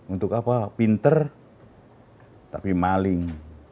untuk apa pinter tapi maling